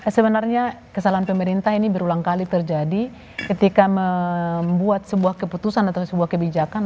sebenarnya kesalahan pemerintah ini berulang kali terjadi ketika membuat sebuah keputusan atau sebuah kebijakan